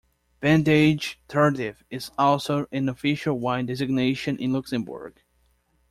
"Vendange tardive" is also an official wine designation in Luxembourg.